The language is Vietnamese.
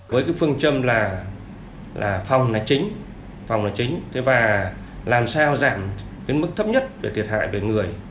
với cái phương châm là phòng là chính phòng là chính thế và làm sao giảm đến mức thấp nhất về thiệt hại về người